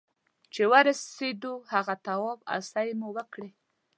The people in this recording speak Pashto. چې ورسېدو هغه طواف او سعيې مو وکړې.